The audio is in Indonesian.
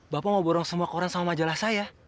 bapak mau borong semua koran sama majalah saya